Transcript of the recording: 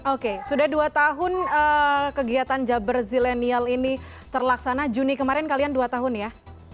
oke sudah dua tahun kegiatan jabar zilenial ini terlaksana juni kemarin kalian dua tahun ya